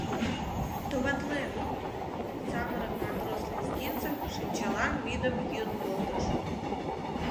— Товатлем, — самырык матрос Лезгинцев шинчалан вӱдым йӱын колтыш.